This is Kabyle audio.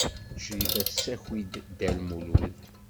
Crifa tessaki-d Dda Lmulud.